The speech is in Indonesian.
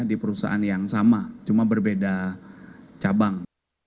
di perusahaan yang sama cuma berbeda cabang